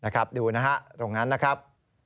นะครับดูนะฮะตรงนั้นนะครับ